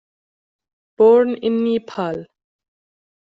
Born in Nepal.